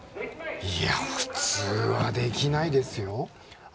いや、普通はできないですよ。